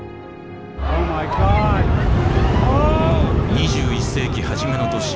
２１世紀初めの年